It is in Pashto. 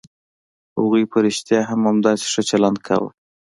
هغوی په رښتيا هم همداسې ښه چلند کاوه.